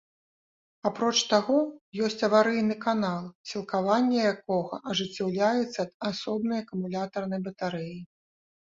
Апроч таго, ёсць аварыйны канал, сілкаванне якога ажыццяўляецца ад асобнай акумулятарнай батарэі.